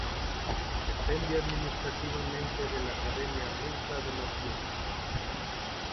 Depende administrativamente de la Academia rusa de las Ciencias.